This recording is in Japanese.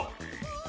何？